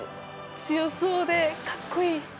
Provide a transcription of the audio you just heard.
強そうでかっこいい！